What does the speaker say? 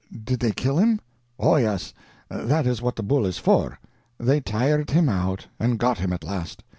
Did they kill him?" "Oh yes; that is what the bull is for. They tired him out, and got him at last.